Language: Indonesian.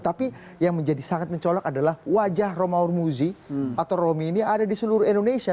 tapi yang menjadi sangat mencolok adalah wajah romahur muzi atau romi ini ada di seluruh indonesia